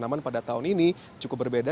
namun pada tahun ini cukup berbeda